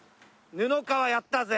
布川やったぜ！